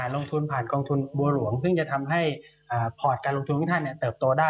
ลงทุนของทุนบังหลวงซึ่งจะทำให้ภอดลงทุนของท่านเติบโตได้